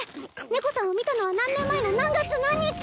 猫さんを見たのは何年前の何月何日？